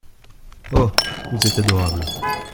Oh ! vous êtes adorable !